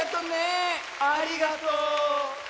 ありがとう。